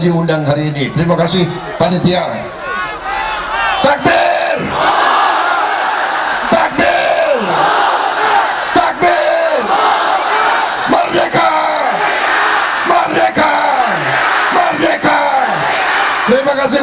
diundang hari ini terima kasih panitia takbir takbir takbir mereka mereka mereka terima kasih